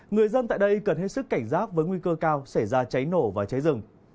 người dân tại đây cần hết sức cảnh giác với nguy cơ cao xảy ra cháy nổ và cháy rừng